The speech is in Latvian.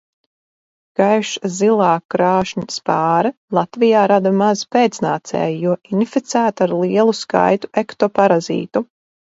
Gaišzilā krāšņspāre Latvijā rada maz pēcnācēju, jo inficēta ar lielu skaitu ektoparazītu.